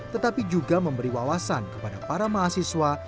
tetapi juga memberi wawasan kepada para mahasiswa